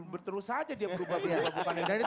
berterus saja dia berubah ubah bukan identitas